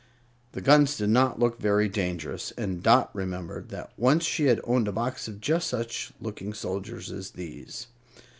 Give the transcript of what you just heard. The guns did not look very dangerous, and Dot remembered that once she had owned a box of just such looking soldiers as these.